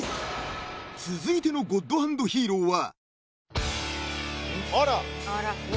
［続いてのゴッドハンドヒーローは］